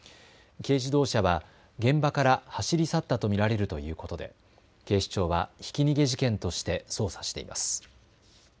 軽自動車は現場から走り去ったと見られるということで警視庁はひき逃げ事件として捜査しています。